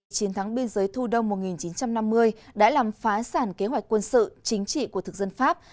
chiến thắng biên giới thu đông một nghìn chín trăm năm mươi đã làm phá sản kế hoạch quân sự chính trị của thực dân pháp